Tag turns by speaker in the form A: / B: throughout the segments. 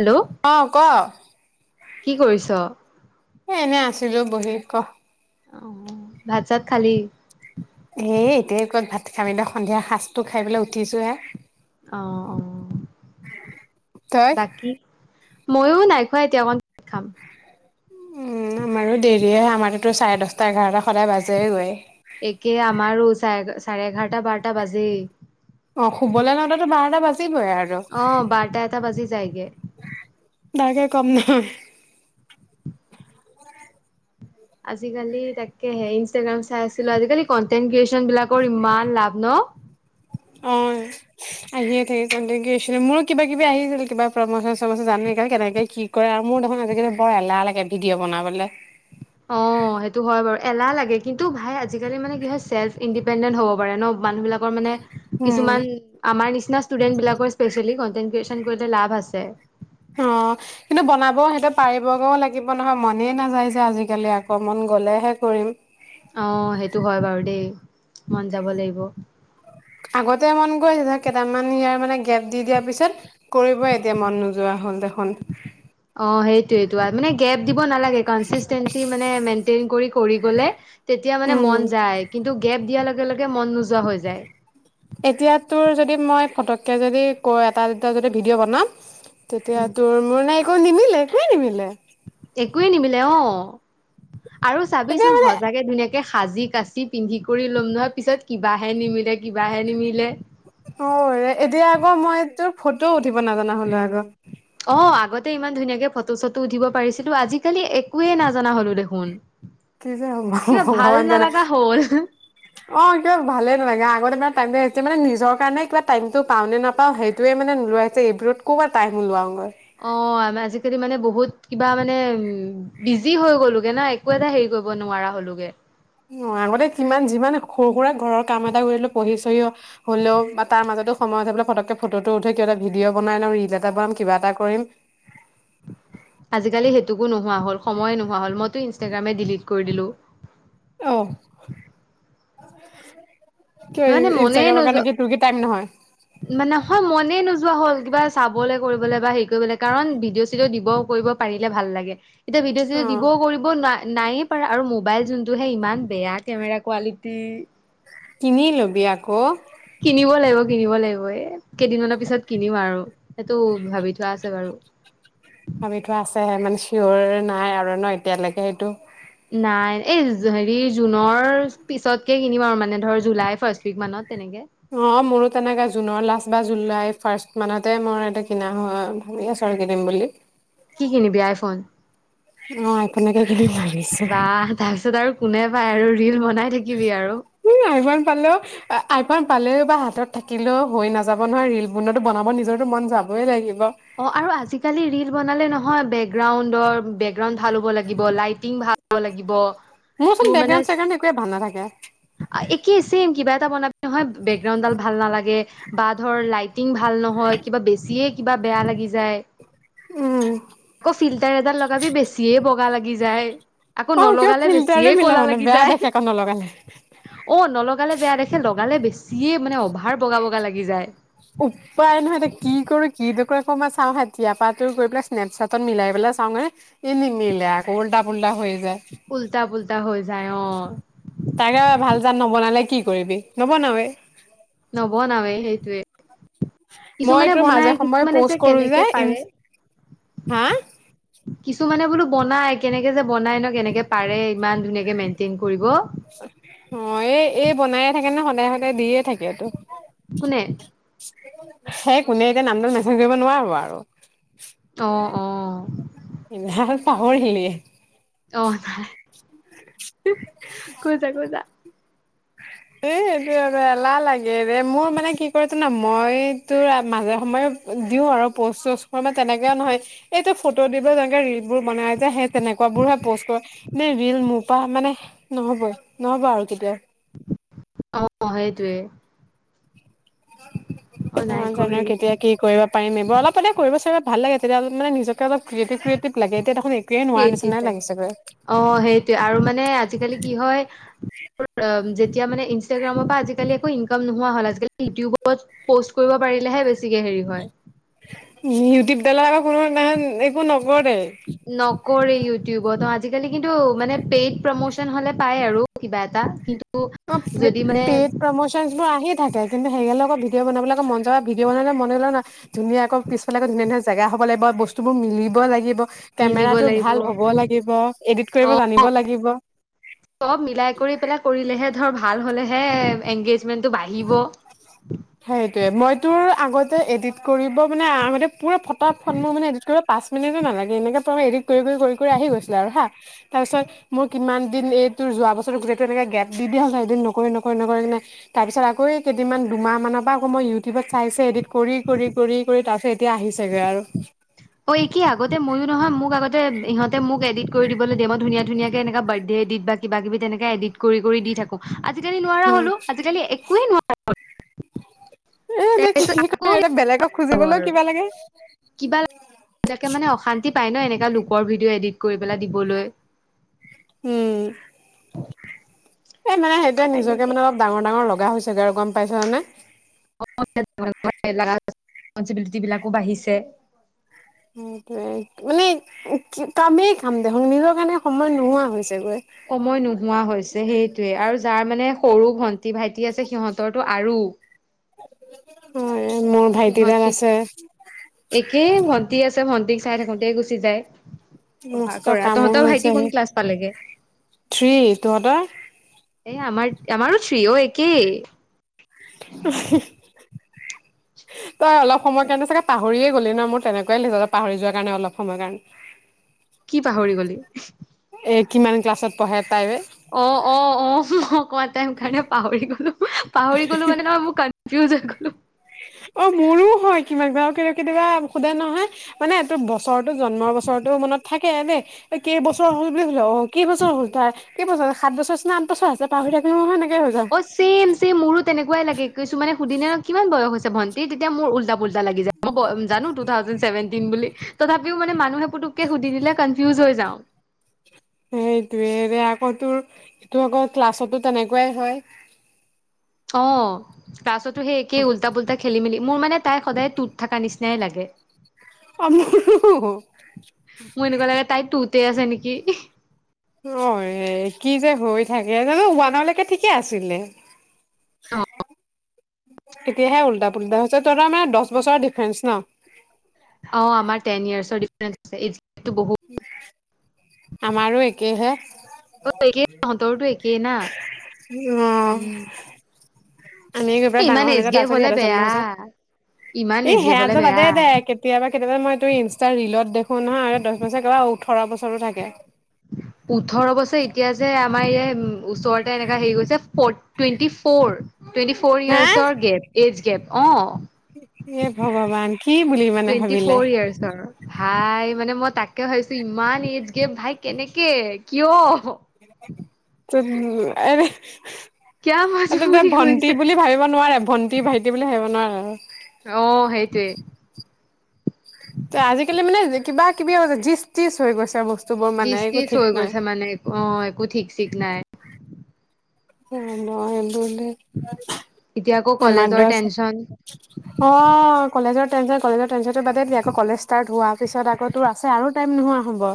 A: Hello
B: অ ক
A: কি কৰিছ?
B: এ এনে আছো হেল্লো বহি ক।
A: অ ভাত চাত খালি।
B: এ এতিয়া ক'ত ভাত খামি সন্ধিয়া সাঁজটো খাই পেলাই উঠিছো হে।
A: অ অ
B: তই
A: বাকী ময়ো নাই খোৱা এতিয়া অকণ খাম।
B: উম আমাৰো দেৰিয় হয় আমাৰতো চাৰে দহটা এঘাৰটা সদায় বাজে গৈ।
A: একে আমাৰো চাৰে চাৰে এঘাৰ
B: অ শুবলৈ লওঁতে তো বাৰ ন বা
A: অ বাৰটা এটা বাজি যায়গৈ।
B: দাকে কম নহ
A: আজিকালি তাকেহে ইনষ্টাগ্ৰাম চাই আছিলো আজিকালি কন্টেন্ট ক্ৰিয়েচন বিলাকৰ ইমান লাভ ন।
B: অ আহিয়ে থাকি কণ্টেন ক্ৰিয়েচন। মোৰো কিবা কিবি আহিছিল কিবা প্ৰমচন চমচন জানে কেনেকে কি কৰে আৰু মোৰ দেখোন আজিকালি বৰ এলাহ লাগে ভিডিঅ' বনাবলে।
A: অ সেইটো হয় বাৰু এলাহ লাগে কিন্তু ভাই আজিকালি মানে কি হয় চেল্ফ ইণ্ডিপেণ্ডেণ্ট হ'ব পাৰে ন‌। মানুহ বিলাকৰ মানে
B: উম
A: কিছুমান আমাৰ নিচিনা নিচ ষ্টুডেট বিকৰ স্পেচিয়েলি কনটেন ক্ৰিয়েচন কৰিলে লাভ আছে।
B: অ কিন্তু বনাব সেইটো পাৰিবগও লাগিব নহয় মনেই নাযায় যে আজিকালি আকমন গলেহে কৰিম।
A: অ সেইটো হয় বাৰু দেই মন যাব লাগিব।
B: আগতে মন গৈছে কেইটামান ইয়াৰ মানে গেপ দি দিয়াৰ পিছত কৰিবই এতিয়া মন নোযোৱা হ'ল দে।
A: অ সেইটোয়েই যোৱাত মানে, গেপ দিব নালাগে, কনচিছটেন্সী মানে মেন্টন কৰি কৰি গ'লে তেতিয়া মানে মন
B: উম
A: যায়, কিন্তু গেপ দিয়া লগে। একেলগে মন নোযোৱা হৈ যায়
B: এতিয়া তোৰ যদি মই, ফতককে যদি কৈ এটা-দুটা যদি ভিডিঅ' বনাম। তেতিয়া
A: উম
B: তোৰ-মোৰ নাই। অ' নিমিলে, একোৱে নিমিলে।
A: একোৱে নিমিলে অ'। আৰু
B: এতিয়া
A: চাবিচোন
B: মানে
A: সঁচাকে ধুনীয়াকে সাজি-কাচি ধুনীয়াকে পিন্ধি কৰি ল'ম নহয়, পিছত কিবাহে নিমিলে, কিবাহে নিমিলে!
B: অ' এতিয়া আকৌ মই তোৰ, ফটোও উঠিব নাজানা হ'লো আক'।
A: অ আগতে ইমান ধুনীয়াকে ফটো-চটো উঠিব পাৰিছিলো, আজিকালি একোৱে নাজনা হ'লো দেখোন!
B: কি যে হ'ব
A: কিবা ভাল
B: ভগৱান জানে!
A: নালাগা হ'ল
B: অ' কিবা ভালে নালাগে। লগত টাইম আহিছে। মানে নিজৰ কাৰণে কিবা টাইমটো পাও নে নাপাওঁ সেইটোৱে মানে নোলোৱা হৈছে। এইবোৰত ক'ৰ পৰা টাইম ওলাওঁগৈ!
A: অ' আম আজিকালি মানে বহুত কিবা মানে, বিজি হৈ গ'লোগে না! একো এটা হেৰি কৰিব নোৱাৰা হলোগে।
B: অ' আগতে কিমান-যিমান সৰু-সুৰা ঘৰৰ কাম এটা কৰিলেও, পঢ়ি-চঢ়ি হ'লেও বা তাৰ মাজতো সময় ওলাই পেলাই ফতককে ফটোটো উঠে কিবা এটা ভিডিঅ' বনাই, ৰীল এটা বনাম, কিবা এটা কৰিম।
A: আজিকালি সেইটোকো নোহোৱা হ'ল, সময়ে নোহোৱা হ'ল। মইতো ইনষ্টাগ্ৰামে ডিলিট কৰি দিলোঁ।
B: অহ।
A: মানে মনে নোযোৱা,
B: নহয়
A: নহয় মনে নোযোৱা। নোযোৱা হ'ল। কিবা চাবলৈ, কৰিবলৈ বা হেৰি কৰিবলৈ। কাৰণ ভিডিঅ'-চিডিঅ' দিব কৰিব পাৰিলে ভাল লাগে। এতিয়া
B: অ
A: ভিডিঅ'-চিডিঅ' দিবও কৰিব না নায়ে পাৰা আৰু মোবাইল যোন সেই ইমান বেয়া কেমেৰা কোৱালিটি।
B: কিনি ল'বি আকৌ।
A: কিনিব লাগিব কিনিব লাগিব। এ কেইদিনমানানৰ পিছত কিনিম আৰু, সেইটো ভাবি থোৱা আছে বাৰু।
B: ভাবি থোৱাহে আছে মানে, চিঅৰ নাই আৰু ন এতিয়ালৈকে সেইটো?
A: নাই, এই হেৰি জুনৰ পিছতকে কিনিম আৰু মানে ধৰ জুলাই ফাৰ্ষ্ট উইকমানত তেনেকে।
B: অ' মোৰো তেনেকে জুনৰ লাষ্ট বা জুলাই ফাৰ্ষ্টমানতে মোৰ এটা কিনা হয়, ভাবি আছো আৰু কিনিম বুলি।
A: কি কিনিবি আইফোন?
B: অ আইফোনকে কিনিম ভাবিছো
A: বাহ তাৰপিছত আৰু কোনে পায় আৰু। ৰিল বনাই থাকিবি আৰু
B: উম আইফোন পালেও, আইফোন। পালেও বা হাতত থাকিলেও হৈ নাযাব নহয় ৰীল বনোৱাতো, বনাব নিজৰটো মন যাবই লাগিব!
A: অ' আৰু আজিকালি ৰীল বনালে নহয়, বেকগ্ৰাউণ্ডৰ, বেকগ্ৰাউণ্ড ভাল হ'ব লাগিব। লাইটিং ভাল হ'ব লাগিব।
B: মোৰচোন
A: তোৰ মানে
B: বেকগ্ৰাউণ্ড-চেগগ্ৰাউণ্ড একোৱে ভাল নাথাকে।
A: কি চেম কিবা এটা বনাবি। নহয় বেকগ্ৰাউণ্ডডাল ভাল নালাগে। বা ধৰ লাইট এক্টিং ভাল নহয় কিবা বেছিয়ে কিবা বেয়া লাগি যায়
B: উম
A: ফ তেলএডাল লগাবি বেছিয়ে বগা লাগি যায় আকৌ
B: অ কিবা
A: নলগালে
B: ফিল্টাৰো
A: বেছিয়ে
B: মিলাব
A: কলা
B: নোৱাৰে
A: লাগি
B: বেয়া
A: যায়
B: দেখে আকৌ নলগালে
A: অ নলগালে বেয়া দেখে সে লগালে বেছিয়ে মানে অভাৰ বগা বগা লাগি যায়
B: উপায় নহয় এটা কি কৰো কি নকৰো আকৌ চাও এতিয়া পা টো গৈ পেলাই স্নেপচাটত মিলাই পেলাই চাও হে এ নিমিলে আকৌ উল্টা পুল্টা হৈ যায়
A: উল্টা পুল্টা হৈ যায় অ
B: তাকে ভাল জাত নবনালে কি কৰিবি নব নাওৱেই
A: নবনাওয়ে সেইটোয়ে
B: মই তোৰ মাজে সময়ে
A: কিছুমানে
B: পোষ্ট কৰো
A: কেনেকে
B: যে
A: পাৰে
B: ইনচ হা
A: কিছুমানে বোলো বনাই কেনেকে যে বনাই ন কেনেকে পাৰে ইমান ধুনীয়াকে মেইনটেইন কৰিব
B: অ এই এই বনাইে থাকে ন স তাহাঁতে দিয়ে থাকেতো
A: কোনে
B: সেই কোনে এতিয়া নাম ডাল মেচেজ দিব নোৱাৰো আৰু
A: অ অ
B: পাহৰি থাকিলি গে
A: অ কৈজা কৈজা
B: এ এইটো বাবে এলাহ লাগেৰে মোৰ মানে কি কৰে ত ন মই তোৰ মাজে সময়ে দিওঁ আৰু পষ্ট চচ কৰ মানে তেনেকে নহয় এইটো ফটো দি পেলে যেনেকে ৰিল বোৰ বনাই যে সেই তেনেকুৱাবোৰহে পষ্ট কৰো ন ৰিল মোৰ পৰা মানে নহবই নহব আৰু কেতিয়াও
A: অঁ সেইটোৱে অ নাই
B: অঁ জানো
A: কৰি
B: কেতিয়া কি কৰিব পাৰিম এইবোৰ অলপ অলে কৰিব চাগে ভাল লাগে তেতিয়া মানে নিজক নোৱাৰা নিচিনাই
A: ক্ৰিয়েটিভ লাগে
B: লাগিছেগৈ
A: অঁ সেইটোৱে আৰু মানে আজিকালি কি হয় এতিয়া মানে ইনচটাগ্ৰামৰ পৰা আজিকালি একো ইনকাম নোহোৱা হল আজি ইউিউবত পষ্ট কৰিব পাৰিলেহে বেছিকে হেৰি হয়
B: ইউটিউব দালা বা কোনো দিনাখন একো নকৰে
A: কৰে ইউটিউবত অ আজিকালি কিন্তু মানে পেইড প্ৰমচন হলে পায় আৰু কিবা এটা
B: অঁ প্ৰে।
A: যদি মানে
B: পেড প্ৰমোচন বোৰ আহি থাকে কিন্তু সেৰিয় লগত ভিডিঅ বনাবলৈ আক মন যাব ভিডিঅ বনালে মনে লানা ধুনীয়া আকৌ পিছালেক ধুনীয়া ধনীয়া জেগা হব লাগিব বস্তু বোৰ মিলিব লাগিব
A: মিলিব
B: কেমেৰাটো
A: লাগিব
B: ভাল হ'ব লাগিব এডিট কৰিব
A: অ'
B: জানিব লাগিব
A: চব মিলাই কৰি পেলাই কৰিলেহে ধৰ ভাল হ'লে হে এংগেজ টো বাঢ়িব
B: সেইটোয়ে মই তোৰ আগতে এডিট কৰিব মানে আগতে পুৰা ফটা মোৰ মানে এডিট কৰিব পাঁচ মিনিটো নালাগে এনেকে এডিত কৰি - কৰি কৰি - কৰি আহি গৈছিলে আৰু, হা। তাৰ পিছত মোৰ কিমান দিন এই তোৰ যোৱা বছৰ গোটেইটো এনেকে গেপ দি দিয়া যায়। দেন নকৰি - নকৰি - নকৰি কিনে তাৰপিছত আকৌ এই কেইদিনমান- দুমাহমানৰ পৰা আক' মই ইউটিউবত চাই চাই এডিট কৰি - কৰি কৰি - কৰি, তাৰপিছত এতিয়া আহিছেগৈ আৰু।
A: ঐ কি আগতে ময়ো নহয়, মোক আগতে- ইহঁতে মোক এডিট কৰি দিবলৈ দিয়ে। মই ধুনীয়া - ধুনীয়া কে এনেকা বাৰ্থডে এডিট বা কিবাকিবি তেনেকে এডিট কৰি - কৰি দি থাকোঁ। আজিকালি নোৱাৰা
B: উম
A: হলোঁ। আজিকালি একোৱেই নোৱাৰা হলোঁ। [unintelligible]
B: এনে - এনে কি কৰে, এতিয়া বেলেগক খুজিবলৈও কিবা লাগে।
A: বেগেকে মানে অশান্তি পায় ন', এনেকা লোক বৰ ভিডিঅ' এডিট কৰি পেলাই দিবলৈ।
B: উম। এই মানে সেইটোৱে নিজকে
A: সেইকাৰণে
B: মানে অলপ ডাঙৰ - ডাঙৰ লগা হৈছে গৈ আৰু গম পাইছা নানে?
A: [inaudible] ৰিছপঞ্চিবিলিটি বিলাকো বাঢ়িছে।
B: সেইটোৱে। মানে কামেই কাম দেখোন। নিজৰ কাৰণে সময় নোহোৱা হৈছে
A: সময় নোহোৱা হৈছে, সেইটোৱে। আৰু যাৰ মানে সৰু ভ ন্তি- ভাইটি আছে, সিহঁতৰটো আৰু।
B: উম।
A: সিহঁত- একেই ভণ্টি আ ছে। ভণ্টিক চাই থাকোঁতে গুচি যায়। পঢ়া
B: মস্ত
A: কৰা
B: কামোৰ
A: তহঁতৰ ভাইটি
B: হৈছেহে।
A: কোন ক্লাছ পালেগে
B: থ্ৰি, তহঁতৰ?
A: এ আমাৰ, আমাৰো ফ্ৰী অ। একেই।
B: হঁ-হঁ। তই অলপ সময় কাৰণে চাগে পাহ ঘূৰিয়ে গ'লি ন? মোৰ তেনেকুৱাই লগিছে পাহৰি যোৱাৰ কাৰণে অলপ সময়ৰ কাৰণে।
A: কি পাহৰি গলি?
B: এ কিমান ক্লাছত পঢ়ে? তাই বে?
A: অ'-অ'-অ'। মই কোৱাতে সেই কাৰণে পাহৰি গ'লোঁ। পাহৰি গ'লোঁ মানে নহয়, মোৰ কান ফিউজ হৈ গ'লোঁ।
B: অ' মোৰো হয় কিমান বাৰ কেতিয়াবা সোধে নহয়, মানে এইটো বছৰতো- জন্ম বছৰতো মনত থা কে এনে কেইবছৰ হ'ল বুলি সোধে কেই বছৰ হ'ল তাৰ? কেইবছৰ? সাঁত বছৰ নে আঁঠ বছৰ আছে? পাহৰি থাকিলোঁ নহয় এনেকে হৈ যাওঁ।
A: অ' ছেম - ছেম, মোৰো তেনেকুৱাই লাগে। কিছুমানে সুধিলে কিমান বয়স হৈছে ভণ্টি, তেতিয়া মোৰ উল্টা উল্টা লাগি যায়। মই গ- জানো টু থাউজেন্ড চেভেনটিন বুলি। তথাপিও মানে মানুহে পুটুক্কে সুধি দিলে কনফিউজ হৈ যাওঁ।
B: সেইটোৱে ৰে। আকৌ তোৰ এইটো আকৌ ক্লাছতো তেনেকুৱাই হয়।
A: অ'। তাৰ পিছতো সেই একে উল্টা-পুল্টা খেলিমেলি। মোৰ মানে তাই সদায় টুত থকা নিচিনাই লাগে।
B: অ' [unintelligible]
A: মোৰ এনেকুৱা লাগে [unintelligible]
B: অ' কি যে হৈ থাকে জানো ওৱানলৈকে ঠিকে আছিলে, এতিয়াহে উল্টা পুল্টা হৈছে তই তাৰ মানে দহ বছৰৰ ডিফাৰেন্ঞ্চ ন?
A: অ' আমাৰ টেন ইয়াৰ্চৰ ডিফাৰেনচ আছে। গেপটো বহুত
B: [unintelligible] আমাৰো একেইহে,
A: অ একেই তহঁতৰতো একেই না
B: অ'।
A: উম
B: আমি গৈ
A: এ
B: পেলাই ডাঙৰ
A: ইমান এজ
B: হোৱালেকে তাৰ
A: গেপ
B: পিছত
A: হলে
B: সিহঁতৰ জন্ম
A: বেয়া
B: হৈছে,
A: ইমান এজ
B: ই
A: গেপ হলে
B: সেয়াটো
A: বেয়া
B: বাদেই দে কেতিয়াবা কেতিয়াবা মইতো ইনষ্টাৰ ৰিলত দেখো নহয় আৰু দহ বছৰৰ একে ওঠঁৰ বছৰো থাকে।
A: ওঠৰ বছৰ এতিয়া যে মায়ে উম ওচৰতে এনেকা হেৰি গৈছে, forty twenty four. Twenty four য়াৰছৰ গেপ, এজ গেপ। অ'।
B: সে ভগৱান কি বুলি মানে
A: টুৱেণ্টি
B: ভাবিলে
A: ফ'ৰ ইয়াৰ্চৰ ভাই মানে মই তাকে ভাবিছো ইমান এইজ গে ভাই কেনেকে কিয়
B: ত এনে [unintelligible]
A: কিয়া
B: আমি তাক
A: মজবুৰি
B: ভন্টি
A: হৈছে
B: বুলি ভাবিব নোৱাৰা ভন্টি ভাইটি বুলি ভাবিব নোৱাৰা অ
A: অ সেইটোৱে
B: ত আজিকালি মানে কিবা কিবি জিচ তিজ হৈ গৈছে আৰু বস্তু
A: জিজ তিচ হৈ গৈছে মানে অ একো ঠিক চিক নাই
B: অ ন [unintelligible]
A: এতিয়া আকৌ
B: আমাৰ
A: কলেজৰ
B: দছ
A: টেনচন
B: অ কলেজত কলেজত তাৰপাছতটো বাদে দিয়া আকৌ কলেজ ষ্টাৰট হোৱাৰ পিছত আকৌ তোৰ আছে আৰু টাইম নোহোৱা হ'ব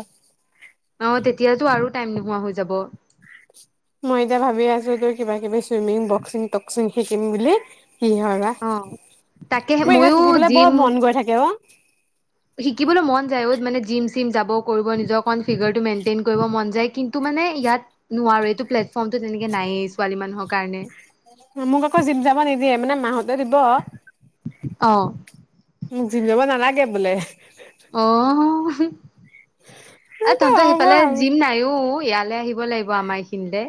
A: অ তেতিয়াতো আৰু টাইম নোহোৱা হৈ যাব
B: মই এতিয়া ভাবি আছো তোৰ কিবা কিবি চুইমিং বক্সিং টক্সিং শিকিম বুলি কি হয় বা
A: অ তাকে
B: মোৰ এতিয়া
A: ময়ো
B: খেলিবলৈ বৰ
A: জিম
B: মন গৈ থাকে অ
A: শিকিবলৈ মন যায় অ মানে জিম চিম যাব কৰিব নিজৰ অকণ ফিগাৰটো মেইনটেইন কৰিব মন যায় কিন্তু মানে ইয়াত নোৱাৰো এইটো প্লেটফৰ্মটো তেনেকে নায়েই ছোৱালী মানুহৰ কাৰণে
B: মোক আকৌ জীম যাব নিদিয়ে মানে মাঁ হত দিব
A: অ
B: মোক জিম যাব নালাগে তাকে বোলে
A: অহ আ তহত
B: হ'ব
A: সিফালে
B: আৰু
A: জিম নাইও ইয়ালৈ আহিব লাগিব আমাৰ এইখিনে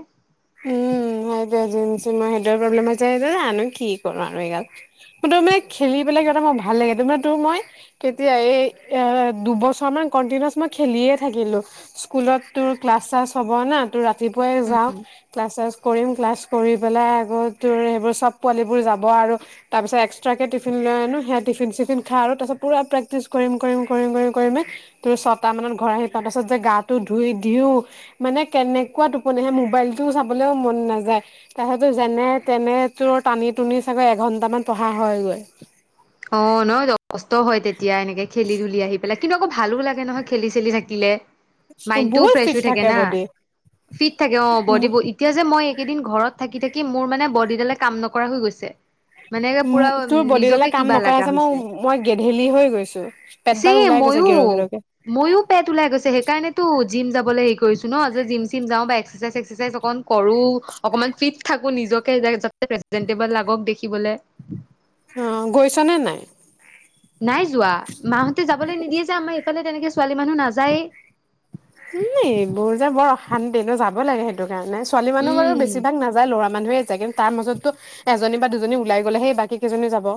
B: উম সেইটোৱেটো সেইটোৱে প্ৰব্লেম হৈছে যানো কি কৰো আৰু এইগাল মইতো মানে খেলি পেলাই ভাল লাগে তে তোৰ মই কেতিয়া এই দুবছৰ মান কন্টিনচ মই খেলিয়ে থাকিলো স্কুলত তোৰ ক্লাছ চাছ হব না তোৰ ৰাতিপুৱাই যাওঁক মেচেজ কৰিম ক্লাছ কৰি পেলাই আকৌ তোৰ সেবোৰ চব পোৱালিবোৰ যাব আৰু তাৰ পাছত একচতেৰা কে তিফিন লৈ আহো সেইয়া তিফিন চিফিন খাই পোৰা প্ৰেকতিজ কৰিম কৰিম কৰিম কৰিম কৰিম পেলাই তোৰ ছটা মানত ঘৰ আহি পাওঁ তাৰ পাছত যে গাটো ধুই দিও মানে কেনেকুৱা টোপনি আহে মবাইলটো তোৰ চাবলৈও মন নাযায় তাৰ পিছতো যেনে তেনে তোৰ টানি টুনি চাগে এঘন্টামান পঢ়া হয়গৈল
A: অ নহ কষ্ট হয় তেতিয়া এনেকে খেলি ধুলি আহি পেলাই কিন্তু আকৌ ভালো লাগে নহয় খেলি চেলি থাকিলে মাইণ্ডটো
B: বহুত
A: ফ্ৰেচ
B: ফিট
A: হৈ থাকে না
B: বডি
A: ফিট থাকে অ
B: উম
A: বডিবোৰ এতিয়া যে মই কেইদিন ঘৰত থাকি থাকি মোৰ মানে বদিডালে কাম নকৰা হৈ গৈছে মানে পুৰা
B: তোৰ বডি ডালে
A: নিজকে
B: কাম
A: কিবা
B: নকৰা
A: লগা
B: মই
A: হৈছে
B: মই গেধেলি হৈ গৈছো
A: চি
B: পেটডাল ওলাই গৈছে
A: ময়ো
B: গেৰ গেৰকে
A: ময়ো পেট ওলাই গৈছে সেইকাৰণেতো জিম যাবলে হেৰি কৰিছো ন যে চিম যা বা এক্সাৰচাইজ চে্কচৰ চাইজ অকণ কৰো অকমান ফিত থাকো। নিজকে যাতে প্ৰেজেন্টেবল লাগক দেখিবলে।
B: অ গৈছ নে নাই
A: নাই যোৱা মাহঁতে যাবলৈ নিদিয়ে যে আমাৰ এইফালে তেনেকে। ছোৱালী মানুহ নাযায়ে।
B: ই এইবোৰ যে বৰ অশান্তি ন যাব লাগে সেইটো। ছোৱালী মানুহ বাৰু
A: উম
B: বেছি ভাগ নাযায় ল'ৰা। মানুহে যেগেন যায় কিন্তু তাৰ মাজতো এজনী বা দুজনী ওলাই গ'লে সেই বাকী কেইজনীয়ো যাব।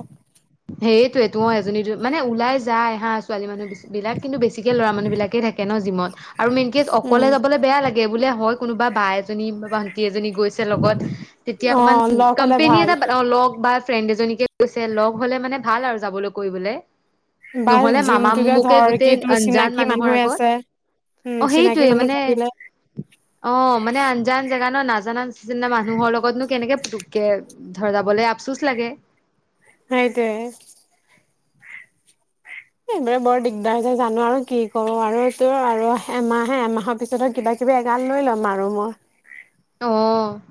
A: সেইটোৱেতো অ এজনী দু মানে ওলাই যায় হা ছোৱালী মানুহ বিলাক কিন্ত বেছিকে ল'ৰা মানুহবিলাকে থাকে। থাকে ন জিমত আৰু মেইনকে অকলে
B: উম
A: যাবলৈ বেয়া লাগে বুলে। হয় কোনোবা বা এজনী বা ভন্টি এজনী গৈছে লগত। তেতিয়া
B: অ
A: অকমান
B: লগ হলে
A: কোম্পনী
B: ভাল
A: এটা লগ বা। ফ্ৰেণ্ড এজনীক বিচাৰি লগ। হ'লে মানে ভাল আৰু যাবলে কৰিবলে
B: বা
A: নহলে মামা
B: জিমটোতে
A: মোমুকে
B: ধৰ কি
A: গোটেই
B: তোৰ
A: আঞ্জান
B: চিনাকি
A: মানুহৰ
B: মানুহে
A: আগত
B: আছে উম
A: অ
B: চিনাকি
A: সেইটোয়ে
B: মানুহ
A: মানে
B: থাকিলে
A: অ মানে আঞ্জান জেগা ন নাজা নাজানা নিচিনা মানুহৰ লগতনো কেনেকে পুটুকে ধৰ যাবলে আফচোচ লাগে।
B: তেজ। এইবৰে বৰ দিগদাৰ হৈছে জানো আৰু কি কৰো আৰু তোৰ আৰু এমাহে এমাহৰ পিছতহে কিবা কিবি এগাল লৈ ল'ম আৰু মই।
A: অ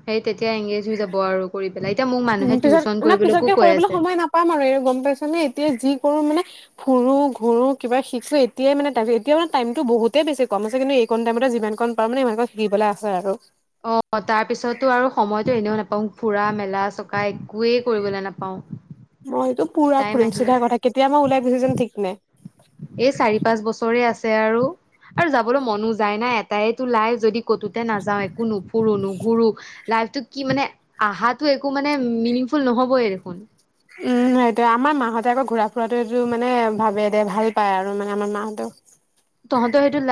A: সেই তেতিয়া এংগেজ হৈ যাব আৰু কৰি পেলাই এতিয়া মোক
B: উ
A: মানুহে
B: পিছত
A: টিউচন
B: না
A: কৰিবলৈকো
B: পিছতকে
A: কৈ
B: কৰিবলৈ
A: আছে
B: সময় নাপাম আৰু এই গম পাইছ নে এতিয়া যি কৰো মানে। ফুুৰো ঘোৰু কিবা শিকিো এতিয়াই মানে এতিয়া মে টাইমতটো বহুতে বেছি কম আছে কিন্তু এইকণ টাইমতে যিমান কণ পাৰো মানে সিমানক শিকিবলৈ আছে আৰু
A: অ তাৰ পিছতো আৰু সময়তো এনেও নাপাওঁ ফুৰা মেলা চকা একোৱেই কৰিবলৈ নাপাওঁ
B: মইটো পুৰা
A: টাইম
B: ফুৰিম
A: আহি
B: চিধা
A: আছে
B: কথা কেতিয়া মই ওলাই গুছি যাম ঠিক নাই।
A: এই চাৰি পাঁচ বছৰে আছে আৰু আৰু যাবলৈ মনো যায় নাই এটাইতো লাইফ যদি কতোতে নাযাও একো নুফুৰো নুঘুৰো লাইফটো কি মানে আহা একো মানে মিনিংফুল নহবই দেখোন।
B: উম সেইটো আমাৰ মা হঁতে আকৌ ঘুৰা ফুৰাটো। টো মানে ভাবে দে ভাল। পায় আৰু মানে আমাৰ মাহতেও
A: তহঁতো সেইটো লাই